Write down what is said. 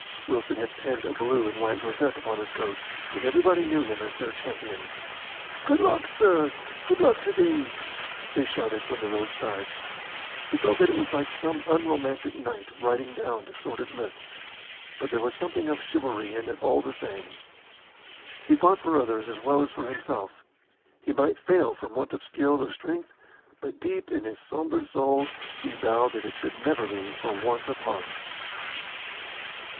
Wilson had pinned a blue and white rosette upon his coat, and everybody knew him as their champion. "Good luck, sir! good luck to thee!" they shouted from the roadside. He felt that it was like some unromantic knight riding down to sordid lists, but there was something of chivalry in it all the same. He fought for others as well as for himself. He might fail from want of skill or strength, but deep in his sombre soul he vowed that it should never be for want of heart.